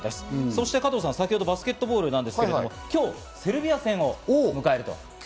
そして加藤さん、先ほどのバスケットボールなんですけど、今日セルビア戦を迎える。